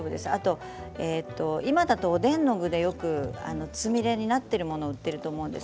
今ですと、おでんの具でつみれになっているものが売っていると思います